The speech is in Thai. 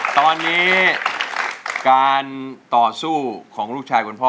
ตอนนี้การต่อสู้ของลูกชายคุณพ่อ